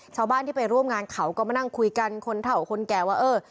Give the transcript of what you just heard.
ชาวบ้านที่ไปร่วมงานเขาก็มานั่งคุยกันคนเท่าคนแก่ว่าเออ